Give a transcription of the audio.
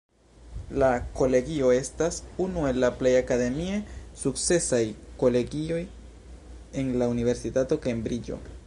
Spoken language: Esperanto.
La Kolegio estas unu el plej akademie sukcesaj kolegioj en la Universitato Kembriĝo.